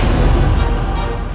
ini mah aneh